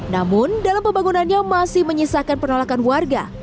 namun dalam pembangunannya masih menyisakan penolakan warga